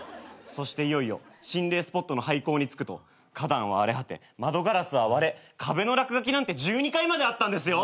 そしていよいよ心霊スポットの廃校に着くと花壇は荒れ果て窓ガラスは割れ壁の落書きなんて１２階まであったんですよ。